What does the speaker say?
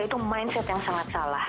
itu mindset yang sangat salah